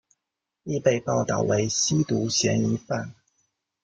亦被报导为吸毒嫌疑犯。